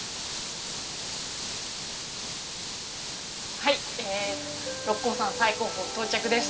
はい六甲山最高峰到着です。